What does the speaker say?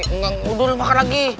enggak udah udah makan lagi